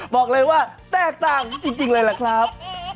บอกเลยว่าแตกต่างจริงเลยล่ะครับ